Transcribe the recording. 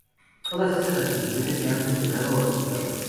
Todas estas atribuciones se han cuestionado o refutado.